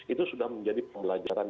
itu sudah menjadi pembelajaran